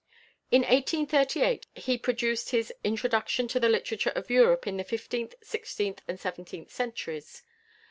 In 1838 he produced his "Introduction to the Literature of Europe in the Fifteenth, Sixteenth, and Seventeenth Centuries."